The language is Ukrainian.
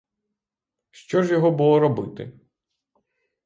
Що ж його було робити?!